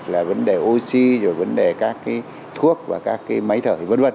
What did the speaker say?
là vấn đề oxy rồi vấn đề các cái thuốc và các cái máy thở v v